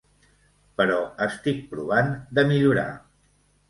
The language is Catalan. Però estic provant de millorar.